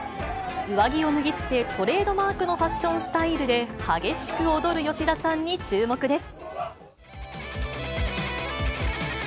上着を脱ぎ捨て、トレードマークのファッションスタイルで、激しく踊る吉田さんに注目です。